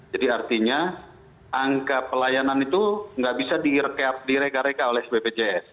jadi artinya angka pelayanan itu nggak bisa direka reka oleh bpjs